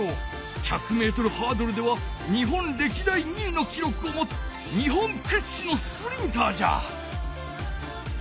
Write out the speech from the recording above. １００ｍハードルでは日本れきだい２位のきろくをもつ日本くっしのスプリンターじゃ！